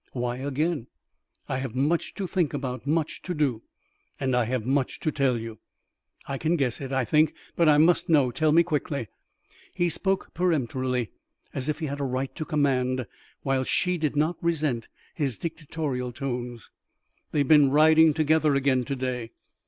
"Why, again?" "I have much to think about, much to do." "And I have much to tell you." "I can guess it, I think; but I must know. Tell me quickly." He spoke peremptorily, as if he had a right to command, while she did not resent his dictatorial tones. "They've been riding together again to day."